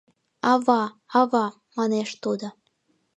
— Ава, ава, — манеш тудо.